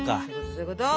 そういうこと！